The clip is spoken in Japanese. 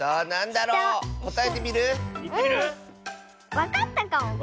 わかったかもこれ。